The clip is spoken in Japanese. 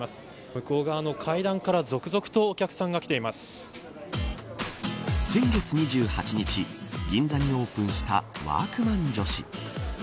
向こうの階段から続々とお客さんが先月２８日銀座にオープンしたワークマン女子。